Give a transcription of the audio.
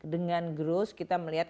dengan growth kita melihat